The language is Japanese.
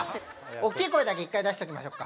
大きい声だけ一回出しておきましょうか。